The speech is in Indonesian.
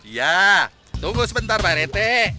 iya tunggu sebentar pak rt